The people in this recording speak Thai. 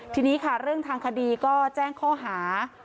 ทีนี้ค่ะเรื่องทางคดีก็แจ้งข้อหา